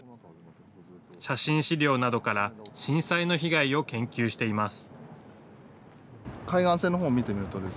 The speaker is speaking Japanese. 写真資料などから震災の被害を研究しています。